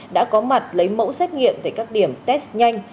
đã có mặt lấy mẫu xét nghiệm tại các điểm test nhanh